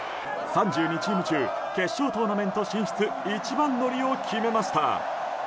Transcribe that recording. ３２チーム中決勝トーナメント進出一番乗りを決めました。